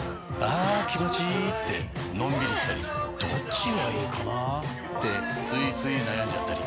あ気持ちいいってのんびりしたりどっちがいいかなってついつい悩んじゃったり。